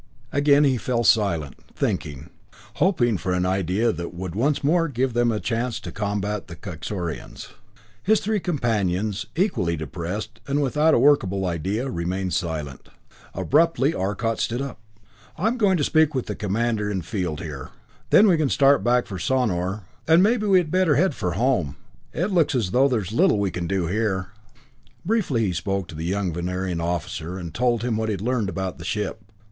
Again he fell silent, thinking hoping for an idea that would once more give them a chance to combat the Kaxorians. His three companions, equally depressed and without a workable idea, remained silent. Abruptly Arcot stood up. "I'm going to speak with the Commander in Field here. Then we can start back for Sonor and maybe we had better head for home. It looks as though there is little we can do here." Briefly he spoke to the young Venerian officer, and told him what he had learned about the ship.